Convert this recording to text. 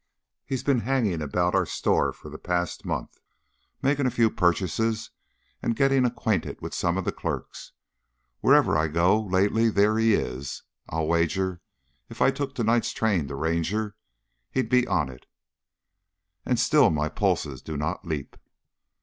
"He's been hanging about our store for the past month, making a few purchases and getting acquainted with some of the clerks. Wherever I go, lately, there he is. I'll wager if I took to night's train for Ranger, he'd be on it." "And still my pulses do not leap."